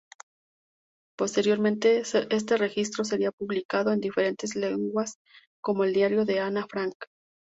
Posteriormente, este registro sería publicado en diferentes lenguas como "El diario de Ana Frank".